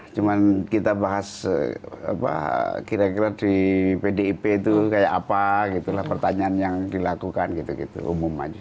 cuma kita bahas kira kira di pdip itu kayak apa gitu lah pertanyaan yang dilakukan gitu gitu umum aja